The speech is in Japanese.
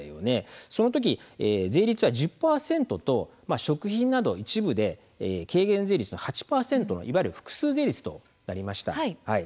その時、税率は１０％と食品などの一部で軽減税率の８％の複数税率となりました。